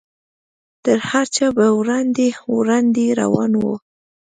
تر هر چا به وړاندې وړاندې روان و.